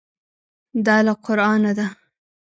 دا له قرانه ده.